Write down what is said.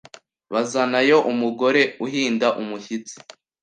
Bazanayo umugore uhinda umushyitsi